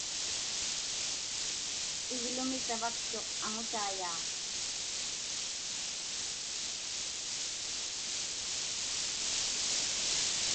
Iglumi savaktuq aŋutaiyaaq.